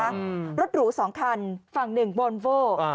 อืมรถหรูสองคันฝั่งหนึ่งวอนโว้อ่า